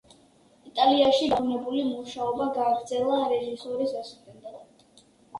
იტალიაში დაბრუნებული, მუშაობა გააგრძელა რეჟისორის ასისტენტად.